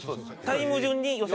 タイム順に予選。